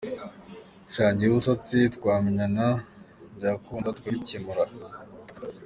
sha gewe usatse twamenyana byakunda tukabicyemura.